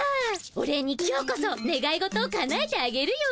お礼に今日こそねがい事をかなえてあげるよ。